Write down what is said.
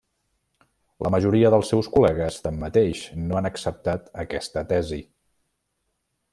La majoria dels seus col·legues, tanmateix, no han acceptat aquesta tesi.